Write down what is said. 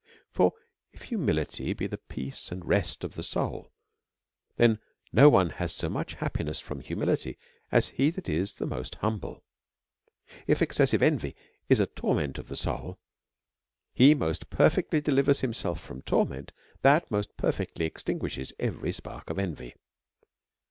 For if humility be the peace and rest of the soul^ then no one has so much happiness from humility as DEVOUT AND HOLY LIFE. 123 he that is the most humble. If excessive envy is a torment of the soul^ he most perfectly delivers himself from torment that most perfectly extinguishes every spark of envy.